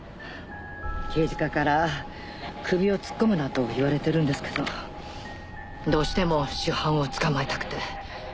刑事課から首を突っ込むなと言われてるんですけどどうしても主犯を捕まえたくて。